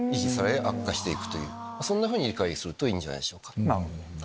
そんなふうに理解するといいんじゃないでしょうか。